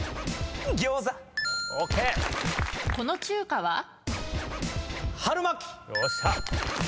この中華は？